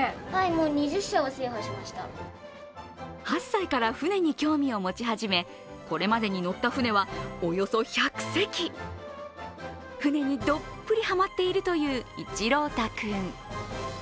８歳から船に興味を持ち始め、これまでに乗った船はおよそ１００隻船にどっぷりハマッているという一朗太君。